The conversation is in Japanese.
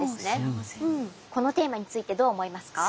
このテーマについてどう思いますか？